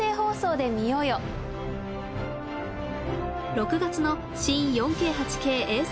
６月の新４Ｋ８Ｋ衛星